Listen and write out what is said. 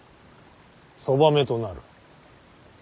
そばめとなる。